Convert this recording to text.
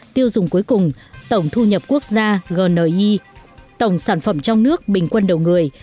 tiêu dùng cuối cùng tổng thu nhập quốc gia gni tổng sản phẩm trong nước bình quân đầu người